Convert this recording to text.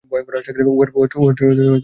উহার চরিতার্থ কিন্তু খুবই সীমাবদ্ধ।